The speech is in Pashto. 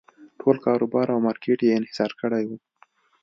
ټول کاروبار او مارکېټ یې انحصار کړی و.